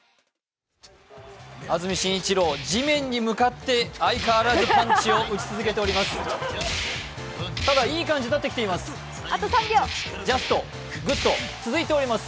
安住紳一郎、地面に向かって相変わらずパンチを打ち続けています。